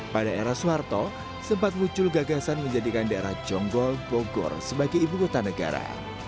pada era soeharto sempat muncul gagasan menjadikan daerah jonggol bogor sebagai ibu kota negara